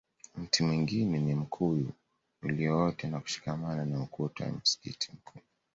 Mti mwingine ni mkuyu ulioota na kushikamana na ukuta wa msikiti mkuu